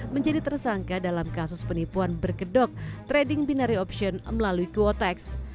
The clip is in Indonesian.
menjadi tersangka dalam kasus penipuan berkedok trading binary option melalui kuotax